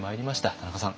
田中さん